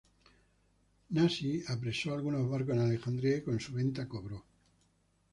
Nasi apresó alguno barcos en Alejandría y con su venta cobró.